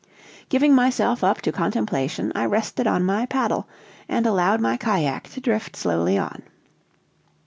Giving myself up to contemplation, I rested my paddle, and allowed my cajack to drift slowly on.